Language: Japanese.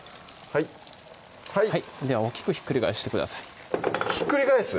はい大きくひっくり返してくださいひっくり返す？